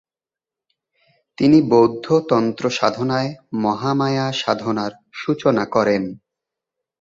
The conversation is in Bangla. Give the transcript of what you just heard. তিনি বৌদ্ধ তন্ত্র সাধনায় মহামায়া সাধনার সূচনা করেন।